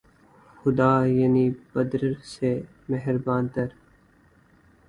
خدا‘ یعنی پدر سے مہرباں تر